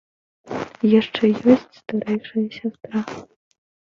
Яшчэ ёсць старэйшая сястра.